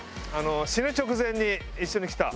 死ぬ直前に一緒に来た。